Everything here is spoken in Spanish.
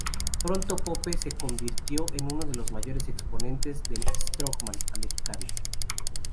Pronto Pope se convirtió en uno de los mayores exponentes del strongman americano.